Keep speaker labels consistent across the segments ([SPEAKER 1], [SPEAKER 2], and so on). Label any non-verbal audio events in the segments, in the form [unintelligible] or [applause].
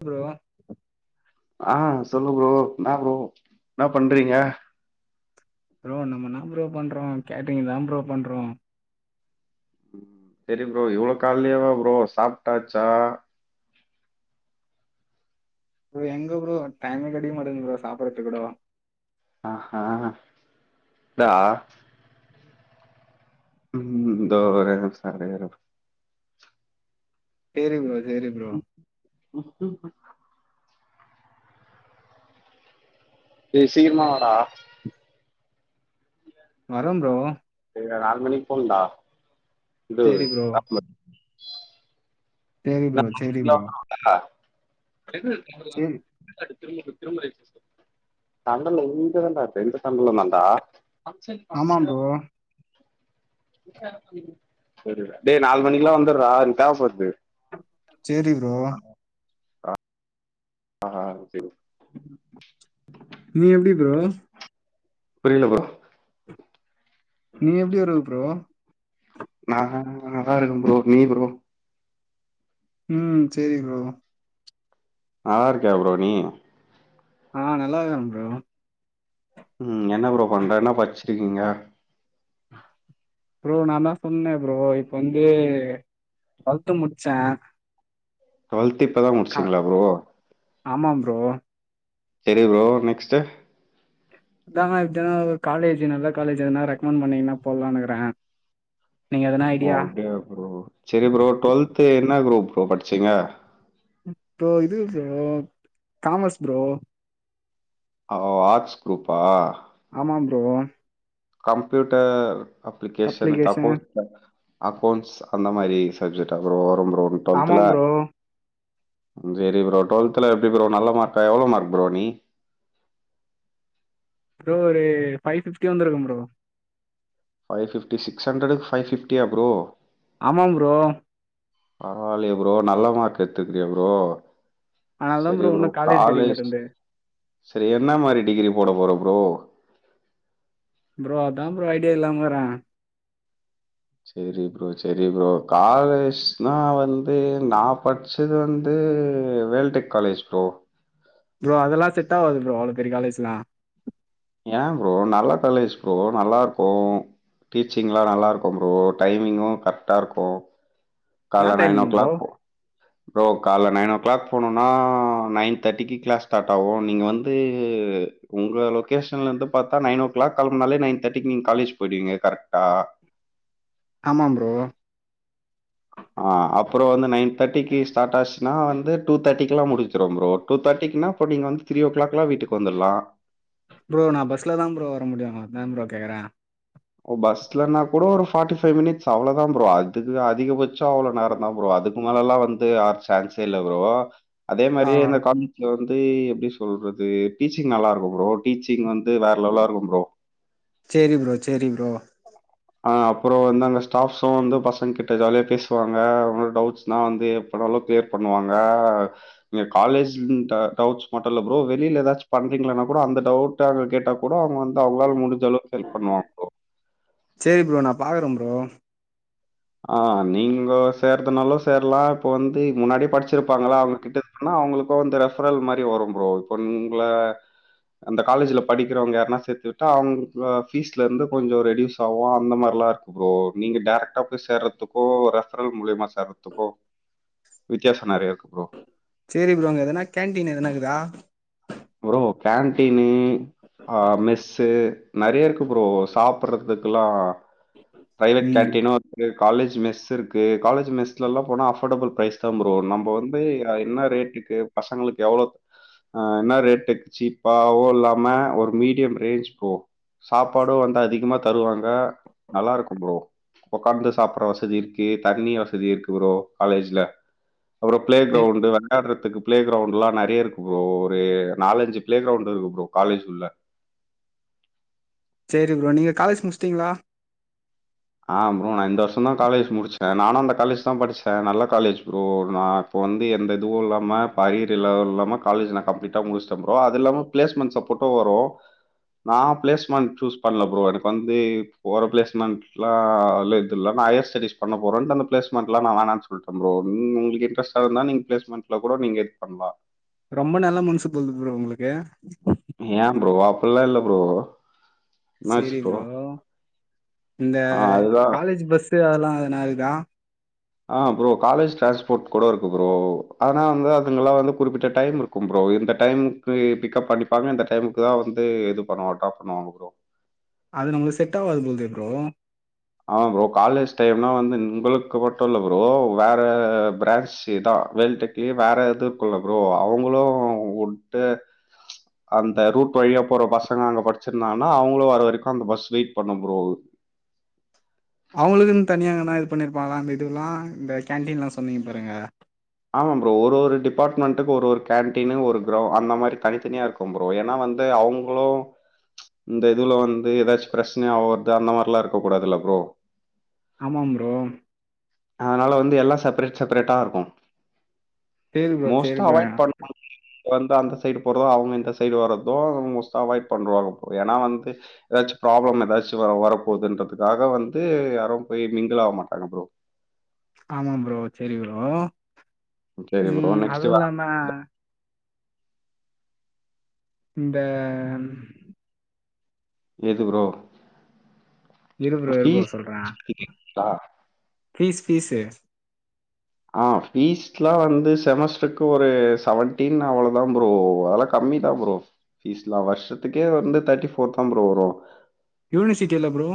[SPEAKER 1] Bro
[SPEAKER 2] ஆ சொல்லு bro என்ன ப்ரோ என்ன பண்றிங்க
[SPEAKER 1] ப்ரோ நம்ம என்ன ‌ப்ரோ பண்றோ கேட்ரிங்தா ப்ரோ பண்றோ
[SPEAKER 2] செரி ப்ரோ இவ்ள கால்லயாவா ப்ரோ சாப்ட்டாச்சா
[SPEAKER 1] ப்ரோ எங்க ப்ரோ டைமே கெடைக்க மாட்டுங்குது ப்ரோ சாப்பிடதுக்கூடோ
[SPEAKER 2] ஆ ஹ தா ம் இந்த ஒரே நிமிஷ ஒரே ஒரு
[SPEAKER 1] சேரி ப்ரோ சேரி ப்ரோ
[SPEAKER 2] சூப்பர் டே சீக்கிரமா வாடா
[SPEAKER 1] வர்றம் ப்ரோ
[SPEAKER 2] செரிடா நாலு மணிக்கு போனுன்டா இது
[SPEAKER 1] சேரி ப்ரோ
[SPEAKER 2] [unintelligible] [unintelligible]
[SPEAKER 1] சேரி ப்ரோ சேரி ப்ரோ சேரி
[SPEAKER 2] சண்டல வீட்லதான்டா இருக்க இந்த சம்பள தான்டா ஃபங்க்ஷன்
[SPEAKER 1] ஆமா
[SPEAKER 2] [unintelligible]
[SPEAKER 1] ப்ரோ
[SPEAKER 2] தெரில டே நாலு மணிக்குலா வந்துடுறா எனக்கு தேவப்படுது
[SPEAKER 1] சேரி ப்ரோ
[SPEAKER 2] ஆ செரி
[SPEAKER 1] நீ எப்டி ப்ரோ
[SPEAKER 2] புரில ப்ரோ
[SPEAKER 1] நீ எப்டி வருவ ப்ரோ
[SPEAKER 2] நா நல்லாருக்க ப்ரோ நீ ப்ரோ
[SPEAKER 1] ம் சேரி ப்ரோ
[SPEAKER 2] நல்லாருக்கியா ப்ரோ நீ
[SPEAKER 1] ஆ நல்லாருக்ற ப்ரோ
[SPEAKER 2] ம் என்ன ப்ரோ பண்ற என்ன படிச்சுட்ருக்கிங்க
[SPEAKER 1] ப்ரோ நாந்தா சொன்னனே ப்ரோ இப்ப வந்து ட்வெல்த்து முடிச்ச
[SPEAKER 2] டுவெல்த்து இப்பதா முடிச்சிங்ளா ப்ரோ
[SPEAKER 1] ஆமாம் ப்ரோ
[SPEAKER 2] செரி ப்ரோ நெக்ஸ்ட்டு
[SPEAKER 1] அதான்னா எதா காலேஜு நல்ல காலேஜு எதுனா ரெக்கமெண்ட் பண்ணிங்கன்னா போலானிக்ற
[SPEAKER 2] ஓ அப்டியா ப்ரோ செரி ப்ரோ டுவெல்த்து என்ன குரூப் ப்ரோ படிச்சிங்க
[SPEAKER 1] ப்ரோ இது ப்ரோ காமஸ் ப்ரோ
[SPEAKER 2] ஓ ஆட்ஸ் குரூப்பா
[SPEAKER 1] ஆமா ப்ரோ
[SPEAKER 2] கம்ப்யூட்டர் அப்ளிகேஷன
[SPEAKER 1] அப்ளிகேஷன்.
[SPEAKER 2] தப்போஸ்ப அக்கௌன்ட்ஸ் அந்த மாரி சப்ஜெக்ட்டா ப்ரோ வரும் ப்ரோ டுவெல்த்ல
[SPEAKER 1] ஆமாம் ப்ரோ.
[SPEAKER 2] செரி ப்ரோ டுவல்த்ல எப்டி ப்ரோ நல்ல மார்க்கா எவ்ளோ மார்க் ப்ரோ நீ
[SPEAKER 1] ப்ரோ ஒரு ஃபைவ் ஃபிஃப்டி வந்துருக்கும் ப்ரோ
[SPEAKER 2] ஃபைவ் ஃபிஃப்டி சிக்ஸ் ஹண்ட்ரடுக்கு ஃபைவ் ஃபிஃப்டியா ப்ரோ
[SPEAKER 1] ஆமா ப்ரோ
[SPEAKER 2] பரவால்லயே ப்ரோ நல்ல மார்க் எத்துக்கிறியே ப்ரோ
[SPEAKER 1] அதனால தான்
[SPEAKER 2] செரி ப்ரோ
[SPEAKER 1] இன்னும் கிடைக்க
[SPEAKER 2] காலேஜ்
[SPEAKER 1] மாட்டேன்து.
[SPEAKER 2] செரி என்ன மாரி டிகிரி போட போற ப்ரோ
[SPEAKER 1] ப்ரோ அதா ப்ரோ ஐடியா இல்லாம இக்கற
[SPEAKER 2] சேரி ப்ரோ சேரி ப்ரோ காலேஜ்னா வந்து நா படி ச்சது வந்து வேல்டெக் காலேஜ் ப்ரோ
[SPEAKER 1] ப்ரோ அதெல்லா செட் ஆவாது ப்ரோ அவ்ளோ பெரிய காலேஜ்லா
[SPEAKER 2] ஏ ப்ரோ நல்ல காலேஜ் ப்ரோ நல்லாருக்கு டீச்சிங்க்லா நல்லாருக்கு ப்ரோ டைமிங்கு கரெக்டா இருக்கு
[SPEAKER 1] என்ன
[SPEAKER 2] கால்ல nine o
[SPEAKER 1] timing bro?
[SPEAKER 2] Clock போ ப்ரோ கால்ல நைன் ஓ கிளாக் போனோனா நைன் தேர்ட்டிக்கு க்ளாஸ் ஸ்டார்ட் ஆகு நீங்க வந்து உங்க லொகேஷன்ல இருந்து பாத்தா நைன் ஓ கிளாக் கெளம்புனாலே நைன் தேர்ட்டிக்கு நீங்க காலேஜ் போயிடுவிங்க கரெக்டா
[SPEAKER 1] ஆமா ப்ரோ
[SPEAKER 2] ஆ அப்றோ வந்து நைன் தேர்ட்டிக்கு ஸ்டார்ட் ஆச்சுனா வந்து டூ தேர்ட்டிக்குலா முடிஞ்சிரு ப்ரோ டூ தேர்ட்டிக்குனா அப்போ நீங்க வந்து த்ரீ ஓ கிளாக்லா வீட்டுக்கு வந்துர்லா
[SPEAKER 1] ப்ரோ நா பஸ்ல தா ப்ரோ வர முடியு அதா ப்ரோ கேக்குறே
[SPEAKER 2] ஒ பஸ்லனா கூட ஒரு ஃபார்ட்டி ஃபைவ் மினிட்ஸ் அவ்ளோ தா ப்ரோ அதுக்கு அதிகபட்ச அவ்ளோ நேரந்தா ப்ரோ அது முன்னாலலா வந்து ஆர் சான்சே இல்ல ப்ரோ அதே
[SPEAKER 1] ஆ
[SPEAKER 2] மாரியே இந்த கான் இங்க வந்து எப்டி சொல்றது டீச்சிங் நல்லா இருக்கு ப்ரோ டீச்சிங் வந்து வேற லெவலா இருக்கு ப்ரோ
[SPEAKER 1] சேரி ப்ரோ சேரி ப்ரோ
[SPEAKER 2] ஆ அப்றோ வந்து அங்க ஸ்டாஃப்ஸு வந்து பசங்க கிட்ட ஜாலியா பேசுவாங்க அது மாரி டவுட்ஸ்னா வந்து பண்ணாலு கிளியர் பண்ணுவாங்க இங்க காலேஜ் ம் ட் டவுட்ஸ் மட்டு இல்ல ப்ரோ வெளில எதாச்சு பண்றீங்கனா கூட அந்த டவுட் ட்டு அங்க கேட்டா கூட அவ்ங்க வந்து அவ்ங்களால முடிஞ்ச அளவுக்கு ஹெல்ப் பண்ணுவாங்க ப்ரோ
[SPEAKER 1] சேரி ப்ரோ நா பாக்குறே ப்ரோ
[SPEAKER 2] ஆ நீங்கோ சேர்றதுனாலு சேர்லா இப்ப வந்து முன்னாடி படிச்சிருப்பாங்களா அவ்ங்கக்கிட்ட பண்ணா அவ்ங்களுக்கு வந்து ரெஃபரல் மாரி வரு ப்ரோ இப்போ உங்ள அந்த காலேஜ்ல படிக்கிறவ்ங்க யாருனா சேத்து விட்டா அவ்ங்க ஃபீஸ்லருந்து கொஞ்ச ரெடியூஸ் ஆகு அந்த மார்லா இருக் கு ப்ரோ நீங்க டேரக்டா போய் சேர்றத்துக்கு ரெஃபரல் மூலியமா சேர்றத்துக்கு வித்தியாச நெறைய இருக்கு ப்ரோ
[SPEAKER 1] சேரி ப்ரோ அங்க எதுனா கேன்டீன் எதுனா இக்குதா
[SPEAKER 2] ப்ரோ கேன்டீனு ஆ மெஸ்ஸு நெறையா இருக்கு ப்ரோ சாப்புட்றதுக்குலா பிரைவேட்
[SPEAKER 1] ம்.
[SPEAKER 2] கேன்டீனு ஒரு காலேஜ் மெஸ் இருக்கு இருக்கு காலேஜ் மெஸ்ஸு இருக்கு காலேஜு மெஸ்லெல்லா போனா அஃபோர்டபுள் ப்ரைஸ் தா ப்ரோ நம்ப வந்து அ என்ன ரேட் இருக் கு பசங்களுக்கு எவ்ளோ ஆ என்ன ரேட்டுக்கு சீப்பாவு இல்லாம ஒரு மீடியம் ரேஞ் போகு சாப்பாடு வந்து அதிகமா தருவாங்க நல்லா இருக்கு ப்ரோ ஒக்காந்து சாப்புட்ற வசதி இருக்கு தண்ணி வசதி இருக்கு ப்ரோ காலேஜ்ல அப்பறோ பிளே
[SPEAKER 1] சரி
[SPEAKER 2] கிரவுண்ட்டு வெளாட்றதுக்கு பிளே கிரவுண்ட்லா நெறைய இருக்கு ப்ரோ இப்பயே நாலஞ்சு பிளே கிரவுண்ட்டு இருக்கு ப்ரோ காலேஜ் உள்ள
[SPEAKER 1] சேரி ப்ரோ நீங்க காலேஜ் முட்ச்ட்டீங்ளா
[SPEAKER 2] ஆ ப்ரோ நா இந்த வர்ஷந்தா காலேஜ் முடிச்சிடே நானு அந்த காலேஜ் தா படிச்சே நல்ல காலேஜ் ப்ரோ நா இப்போ வந்து எந்த இதுவு இல்லாம இப்ப அரியர் இல்ல இல்லாம காலேஜ் நா கம்ப்ளீட்டா முடிச்சிட்டே ப்ரோ அது இல்லாம பிளேஸ்மெண்ட் சப்போட்டு வரு நா பிளேஸ்மெண்ட் சூஸ் பண்ல ப்ரோ எனக்கு வந்து ஒவ்வொரு பிளேஸ்மெண்ட் ஆக்சுவலா அதுல இது இல்ல நா ஹையர்ஸ்டெடிஸ் பண்ண போறன்ட்டு அந்த பிளேஸ்மென்ட்லா நா வேணான் சொல்ட்டே ப்ரோ உங் உங்களுக்கு இன்ட்ரெஸ்ட் அதனா நீங்க பிளேஸ்மெண்ட்ல கூட நீங்க இது பண்லா
[SPEAKER 1] ரொம்ப நல்ல மனசு போல ப்ரோ உங்களுக்கு
[SPEAKER 2] ஏ ப்ரோ அப்பிட்லா இல்ல ப்ரோ
[SPEAKER 1] செரி ப்ரோ இந்த
[SPEAKER 2] ஆ அதுதான்.
[SPEAKER 1] காலேஜ் பஸ்சு அதெல்லா எதனா இருக்குதா
[SPEAKER 2] ஆ ப்ரோ காலேஜ் ட்ரான்ஸ்போர்ட் கூட இருக்கு ப்ரோ ஆனா வந்து அதுங்கல்லா வந்து குறிப்பிட்ட டைம் இருக் க்கும் ப்ரோ இந்த டைமுக்கு பிக்கப் பண்ணிப்பாங்க இந்த டைமுக்கு தா வந்து இது பண்ணுவ ட்ராப் பண்ணுவாங்கா ப்ரோ
[SPEAKER 1] அது நம்மளுக்கு செட் ஆவாது போல்தே ப்ரோ
[SPEAKER 2] ஆமா ப்ரோ காலேஜ் டைம்னா வந்து உங்களுக்கு மட்டு இல்ல ப்ரோ வேற பிரான்சி தா வேல்டெக் தே வேற எதுக்குள்ள ப்ரோ அவுங்களு வுட்டு அந்த ரூட் வழியா போற பசங்க அங்க படிச்சிருந்தாங்கன்னா அவுங்களு வர வரைக்கு அந்த பஸ் வெயிட் பண்ணு ப்ரோ
[SPEAKER 1] அவுங்களுக்குன் தனியா எங்கனா இது பண்ணிருப்பாங்களா அந்த இதுவுல்லா இந்த கேன்டீன்ல்ல சொன்னீங்க பாருங்க
[SPEAKER 2] ஆமாம் ப்ரோ ஒரு ஒரு டிபார்ட்மெண்ட்டுக்கு ஒரு ஒரு கேன்டீனு ஒரு கிரவ் அந்த மாரி தனித் தனியா இருக் கு ப்ரோ ஏன்னா வந்து அவுங்ளு இந்த இதுவுல வந்து ஏதாச்சி பிரச்சனையா ஆவர்த்தா அந்த மார்ல்லா இருக்க கூடாதுல ப்ரோ
[SPEAKER 1] ஆமா ப்ரோ
[SPEAKER 2] அதனால வந்து எல்லா செப்ரேட் செப்ரேட்டா இருக்கு
[SPEAKER 1] சேரி ப்ரோ சேரி
[SPEAKER 2] மோஸ்டா
[SPEAKER 1] ப்ரோ
[SPEAKER 2] அவாய்ட் பண்ண ரொம்ப அந்த சைடு போறதோ அவுங்க இந்த சைடு வர்றதோ மோஸ்டா அவாய்ட் பண்வாங்க ப்ரோ ஏன்னா வந்து ஏதாச்சி ப்ராப்ளம் ஏதாச்சி வ வரப்போதுன்றதுக்காக வந்து யாரும் போய் மிங்கிள் ஆக மாட்டாங்க ப்ரோ
[SPEAKER 1] ஆமா ப்ரோ செரி ப்ரோ
[SPEAKER 2] சரி ப்ரோ
[SPEAKER 1] ம்
[SPEAKER 2] நெக்ஸ்ட்
[SPEAKER 1] அது இல்லாம இந்த
[SPEAKER 2] எது ப்ரோ
[SPEAKER 1] இருப்ரோ இருப்ரோ
[SPEAKER 2] ஃபீஸ்
[SPEAKER 1] சொல்ற பீஸ் பீஸ்சு
[SPEAKER 2] ஆ பீஸ்லா வந்து செமஸ்ட்ருக்கு ஒரு செவன்டீன் அவ்ளதா ப்ரோ அதெல்ல கம்மி தா ப்ரோ ஃபீஸ்லா வருஷத்துக்கே வந்து தெர்ட்டிபோர் தா ப்ரோ வரு
[SPEAKER 1] யூனிசிட்டியில்லா ப்ரோ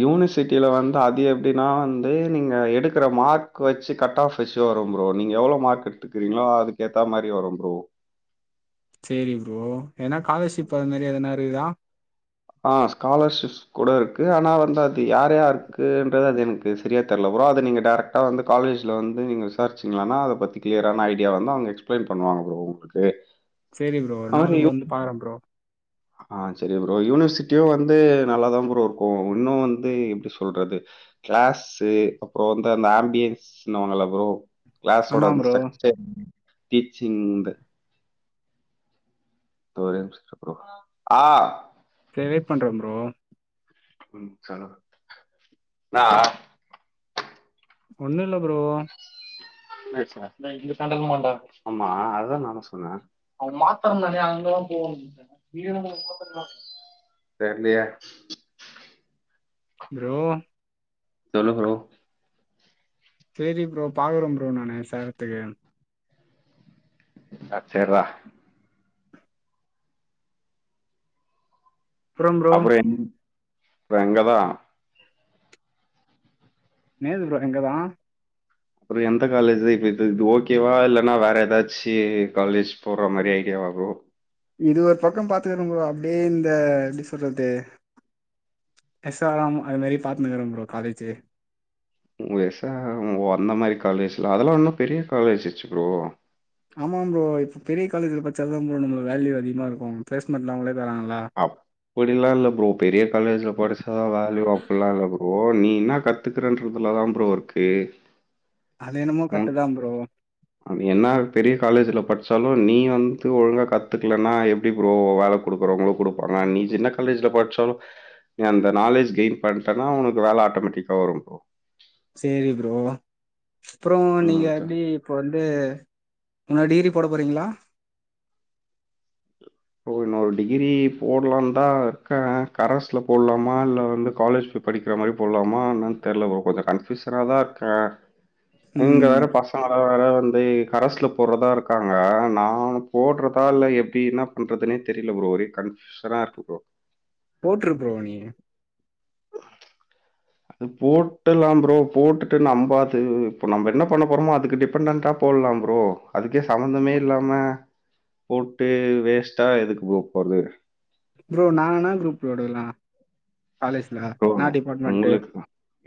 [SPEAKER 2] யூனிசிட்டியில வந்து அது எப்டின்னா வந்து நீங்க எடுக்குற மார்க் வெச்சி கட் ஆஃப் ஃரெஷ்ஷா வரும் ப்ரோ நீ எவ்ளோ மார்க் எடுத்துக்கிறங்களோ அதுக்கேத்தா மாரி வரும் ப்ரோ
[SPEAKER 1] செரி ப்ரோ ஏன்னா காலர்ஷிப் அது மாரி எதனா இருக்குதா
[SPEAKER 2] ஆ ஸ்காலர்ஷிப் கூட இருக்கு ஆனா வந்து அது யார் யாருகுன்றத அது எனக்கு செரியா தெர்ல ப்ரோ அது நீங்க டேரக்ட் டா வந்து காலேஜ்ல வந்து நீங்க விசார்ச்சிங்கனா அத பத்தி கிளியரான ஐடியா வந்து அவுங்க எக்ஸ்பிளைன் பண்ணுவாங்க ப்ரோ உங்களுக்கு
[SPEAKER 1] செரி ப்ரோ ஒரு
[SPEAKER 2] அது மாரி
[SPEAKER 1] நாளுக்கு
[SPEAKER 2] யூ
[SPEAKER 1] வந்து பாக்கற ப்ரோ
[SPEAKER 2] ஆ சரி ப்ரோ யூனிசிட்டியு வந்து நல்லாதா ப்ரோ இருக்கோ உன்னு வந்து எப்டி சொல்றது கிளாஸ்சு அப்பறோ வந்து அந்த ஆம்பியன்ஸ்ன்னுவாங்கல்ல ப்ரோ கிளாஸோட
[SPEAKER 1] ஆமாம்
[SPEAKER 2] அந்த
[SPEAKER 1] ப்ரோ
[SPEAKER 2] செக்ஷன் டீச்சிங்து இத ஒரே நிமிஷ ப்ரோ ஆ
[SPEAKER 1] சேரி வெயிட் பண்றே ப்ரோ
[SPEAKER 2] ம் சொல்லு நா
[SPEAKER 1] ஒன்னு இல்ல ப்ரோ
[SPEAKER 2] ஆமா அதுதா நானு சொன்னே அவங் மாத்திர நானே அங்கல்லா போகணு மாத்த தெர்லியே
[SPEAKER 1] ப்ரோ
[SPEAKER 2] சொல்லு ப்ரோ
[SPEAKER 1] சேரி ப்ரோ பாக்றே ப்ரோ நானு சேரத்துக்கு
[SPEAKER 2] அ சேர்ரா
[SPEAKER 1] அப்புறம் ப்ரோ
[SPEAKER 2] அப்பறம் எங் எங்கதா
[SPEAKER 1] நேத்து ப்ரோ இங்கதா
[SPEAKER 2] அப்றோ எந்த காலேஜு இப்ப இது இது ஓகேவா இல்லன்னா வேற எதாச்சு காலேஜ்ஜூ போற மாரி ஐடியாவா ப்ரோ
[SPEAKER 1] இது ஒரு பக்கோ பாத்துக்கனு ப்ரோ அப்டியே இந்த எப்டி சொல்றது எஸ் ஆர் எம் அது மாரி பாத்துனுக்கிறே ப்ரோ காலேஜு
[SPEAKER 2] ஒ எஸ் ஆர் எம் ஒ அந்த மாரி காலேஜ்லா அதெல்லா இன்னு பெரிய காலேஜ் வச்சுக்கரோ
[SPEAKER 1] ஆமா ப்ரோ இப்போ பெரிய காலேஜ்ல பச்சா தா ப்ரோ நம்மள வேல்யூ அதிகமா இருக்கு பிளேஸ்மென்ட்லா அவுங்களே தராங்கள
[SPEAKER 2] அப்டிலா இல்ல ப்ரோ பெரிய காலேஜ்ல படிச்சாதா வேல்யூ அப்டில்லா இல்ல ப்ரோ நீ என்னா கத் கத்துக்கறன்றதுல தா புரோ இருக்கு
[SPEAKER 1] அது என்னமோ
[SPEAKER 2] உன்
[SPEAKER 1] கட்டுதா ப்ரோ
[SPEAKER 2] அது என்னா பெரிய காலேஜ்ல படிச்சாலு நீ வந்து ஒழுங்கா கத்துக்கலன்னா எப்டி ப்ரோ வேல குடுக்குறவங்களு குடுப்பாங்க நீ சின்ன காலேஜ்ல படிச்சாலு நீ அந்த நாலேஜ் கெயின் பண்ட்டன்னா உனக்கு வேல ஆட்டோமேட்டிக்கா வரு ப்ரோ
[SPEAKER 1] சேரி ப்ரோ அப்றோ நீங்க
[SPEAKER 2] ம்.
[SPEAKER 1] எப்டி இப்போ வந்து இன்னொரு டிகிரி போட போறீங்ளா
[SPEAKER 2] இப்ப இன்னொரு டிகிரி போடலான் தா இருக்கே கரஸ்ல போடலாமா இல்ல வந்து காலேஜ் படிக்கிற மாரி போலாமா என்னன் தெரில கொஞ்ச கன்ஃபூசன தா இருக்கே இங்க
[SPEAKER 1] ம்
[SPEAKER 2] வேற பர்ச வர வர வந்து கரஸ்ல போறதா இருக்காங்க நா போடுறதா இல்ல எப்டின்னா பன்றதுனே தெரில ப்ரோ ஒரே கன்ஃபுஷனா இருக்கு ப்ரோ
[SPEAKER 1] போட்ரு ப்ரோ நீ
[SPEAKER 2] அது போட்டலா ப்ரோ போட்டுட்டு நம்ம அது இப்ப நம்ம என்ன பண்ண போறோமோ அதுக்கு டிபெண்ட்டன்டா போடலா ப்ரோ அதுக்கே சம்பந்தமே இல்லாம போட்டு வேஸ்ட்டா எதுக்கு ப்ரோ போறது
[SPEAKER 1] ப்ரோ நானா குரூப்போடுலா காலேஜில என்னா டிபார்ட்மெண்ட்டு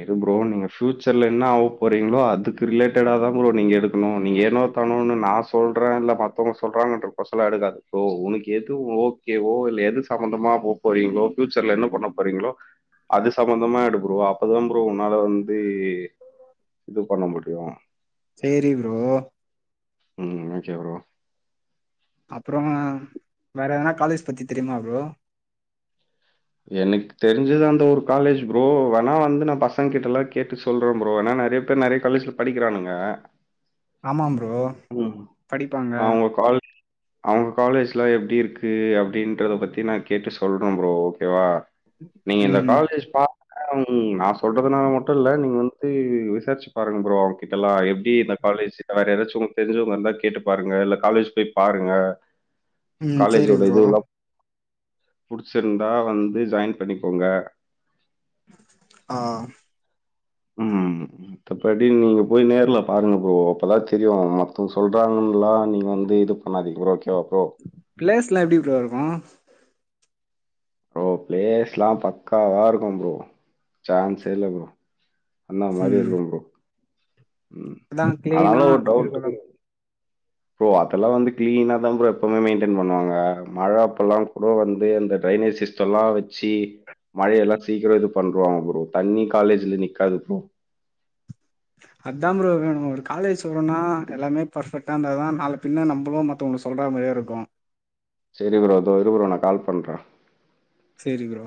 [SPEAKER 2] இது ப்ரோ நீங்க ஃபயூச்சர்ல என்ன ஆக போறீங்களோ அதுக்கு ரிலேட்டடா தா ப்ரோ நீங்க எடுக்கணு நீங்க ஏனோ பண்ணணு நா சொல்றே இல்ல மத்தவங்க சொல்றாங்கன்ற கோர்ஸலா எடுக்காத உனக்கு எது ஓ ஓகேவோ இல்ல எது சம்பந்தமா போ போறீங்களோ பியூச்சர்ல என்ன பண்ண போறீங்களோ அது சம்பந்தமா எடு ப்ரோ அப்பதா ப்ரோ உன்னால வந்து இது பண்ண முடியு
[SPEAKER 1] சேரி ப்ரோ
[SPEAKER 2] ம் ஒகே ப்ரோ
[SPEAKER 1] அப்றமா வேற எதனா காலேஜ் பத்தி தெரியுமா ப்ரோ
[SPEAKER 2] எனக்கு தெரிஞ்சது அந்த ஒரு காலேஜ் ப்ரோ வேணா வந்து நா பசங்க கிட்டல்லா கேட்டு சொ சொல்றே ப்ரோ ஏன்னா நெறைய பேரு நெறைய காலேஜ்ல படிக்கிறானுங்க
[SPEAKER 1] ஆமாம் ப்ரோ
[SPEAKER 2] ம்
[SPEAKER 1] படிப்பாங்க
[SPEAKER 2] அவுங்க கால் அவுங் காலேஜ்லா எப்டி இருக்கு அப்டின்றத பத்தி நா கேட்டு சொல்றே ப்ரோ ஓகேவா நீங்க இந்த
[SPEAKER 1] ம்
[SPEAKER 2] காலேஜ் ஸ்பா ஆ நா சொல்றதுனால மட்டு இல்ல நீங்க வந்து விசாரிச்சு பாருங்க ப்ரோ அவங்க கிட்டல்லா எப்டி காலேஜ் வேற எதாச்சு உங்க தெரிஞ்சவங்க இருந்தா கேட்டு பாருங்க இல்ல காலேஜ் போய் பாருங்க
[SPEAKER 1] ம் சேரி
[SPEAKER 2] காலேஜோட
[SPEAKER 1] ப்ரோ
[SPEAKER 2] இதுல்லா புடிச்சிருந்தா வந்து ஜாயின் பண்ணிக்கோங்க
[SPEAKER 1] ஆஹ்
[SPEAKER 2] உம் மத்தபடி நீங்க போய் நேர்ல பாருங்க ப்ரோ அப்பதா தெரியு மத்தங்க சொல்றாங்கலா நீங்க வந்து இது பண்ணாதிங்க ப்ரோ ஓகேவா ப்ரோ
[SPEAKER 1] பிளேஸ்லா எப்டி ப்ரோ இருக்கு
[SPEAKER 2] ப்ரோ பிளேஸ்லா பக்காவா இருக்கு ப்ரோ சான்ஸே இல்ல ப்ரோ அந்தா மாரி
[SPEAKER 1] ம்
[SPEAKER 2] இருக்கு ப்ரோ ம்.
[SPEAKER 1] அதா க்ளீனா
[SPEAKER 2] ஆனாலும் ஒரு டவுட்
[SPEAKER 1] இருக்கனு
[SPEAKER 2] ப்ரோ அதெல்லாம் வந்து க்ளீனா தா ப்ரோ எப்பவமே மெயின்டெய்ன் பண்ணுவாங்க மழ அப்பெல்லாம் கூட வந்து அந்த ட்ரைனேஜ் சிஸ் இது எல்லாம் வச்சு மழைல்லாம் சீக்கிரம் இது பண்ருவாங்க ப்ரோ தண்ணி காலேஜ்ல நிக்காது ப்ரோ
[SPEAKER 1] அத்தான் ப்ரோ வேணும் ஒரு காலேஜ் ஸ்டுடென்ட்னா எல்லாமே பர்ஃபெக்டாக இருந்தா தா நாலு பின்னே நம்முளு ர்தவாங்கள சொல்ற மாரியா இருக்கும்
[SPEAKER 2] சரி ப்ரோ தோ இரு ப்ரோ நா கால் பண்றேன்
[SPEAKER 1] சரி ப்ரோ